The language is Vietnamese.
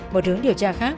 một hướng điều tra khác